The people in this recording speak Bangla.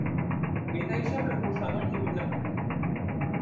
নেতা হিসেবে উমর সাধারণ জীবনযাপন করতেন।